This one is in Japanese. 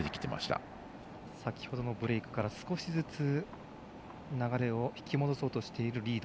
先ほどのブレークから少しずつ流れを引き戻そうとしているリード。